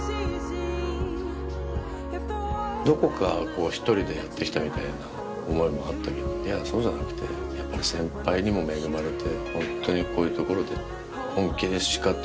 どこか１人でやってきたみたいな思いもあったけどいやそうじゃなくてやっぱり先輩にも恵まれて。